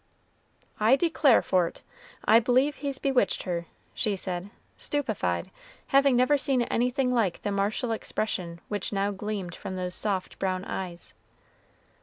"I declare for't, I b'lieve he's bewitched her," she said, stupefied, having never seen anything like the martial expression which now gleamed from those soft brown eyes.